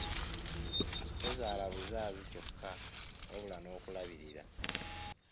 Tozaalabuzaazi kyokka wabula n'okulabirira.